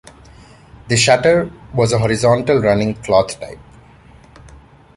The shutter was a horizontal-running cloth type.